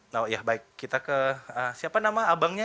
nah ya baik kita ke siapa nama abangnya